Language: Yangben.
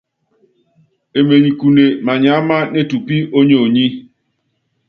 Emenyi kune manyiáma netupí ónyonyí.